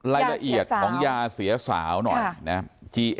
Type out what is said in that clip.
รายละเอียดของยาเสียสาวหน่อยนะครับ